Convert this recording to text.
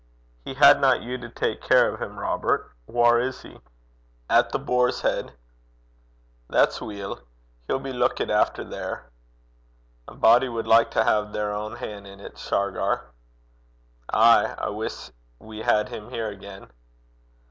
'He hadna you to tak care o' him, Robert. Whaur is he?' 'At The Boar's Heid.' 'That's weel. He'll be luikit efter there.' 'A body wad like to hae their ain han' in 't, Shargar.' 'Ay. I wiss we had him here again.'